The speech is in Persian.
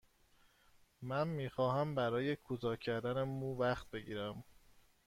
من می خواهم برای کوتاه کردن مو وقت بگیرم.